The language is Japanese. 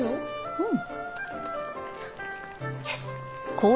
うん。